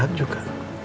harus sihat juga